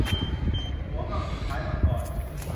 หัวมังกุท้ายมังกร